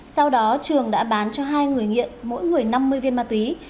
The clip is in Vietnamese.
sau đó trường đã bán cho hai người nghiện mỗi người năm mươi viên ma túy